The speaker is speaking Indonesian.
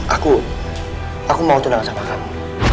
aku aku mau tundangan sama kamu